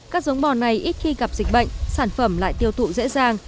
các giống bò này ít khi gặp dịch bệnh sản phẩm lại tiêu thụ dễ dàng